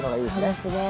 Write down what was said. そうですね。